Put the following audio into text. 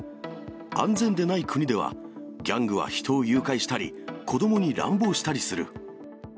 安全でない国では、ギャングは人を誘拐したり、子どもに乱暴したりする。